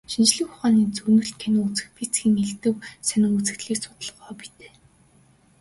Шинжлэх ухааны зөгнөлт кино үзэх, физикийн элдэв сонин үзэгдлийг судлах хоббитой.